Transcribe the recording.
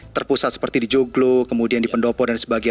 terpusat seperti di joglo kemudian di pendopo dan sebagainya